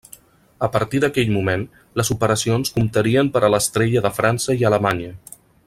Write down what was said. A partir d'aquell moment, les operacions comptarien per a l'Estrella de França i Alemanya.